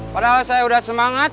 padahal saya udah semangat